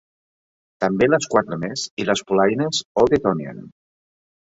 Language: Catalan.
"També les quatre més i les polaines Old Etonian."